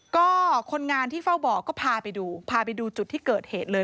ก็คนงานที่เฝ้าบ่อก็พาไปดูพาไปดูจุดที่เกิดเหตุเลย